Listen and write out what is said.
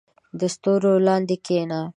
• د ستورو لاندې کښېنه.